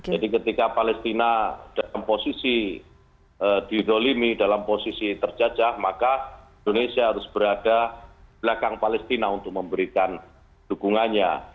jadi ketika palestina dalam posisi didolimi dalam posisi terjajah maka indonesia harus berada belakang palestina untuk memberikan dukungannya